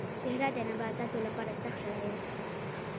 صحرا د نباتاتو لپاره سخت شرايط